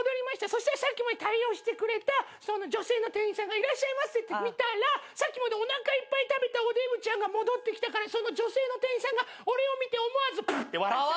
そしたらさっきも対応してくれた女性の店員さんが「いらっしゃいませ」って見たらさっきまでおなかいっぱい食べたおデブちゃんが戻ってきたからその女性の店員さんが俺を見て思わずブッ！って笑ってた。